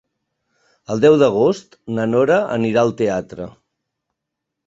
El deu d'agost na Nora anirà al teatre.